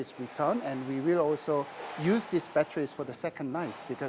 dan kami juga akan menggunakan baterai ini untuk hidup kedua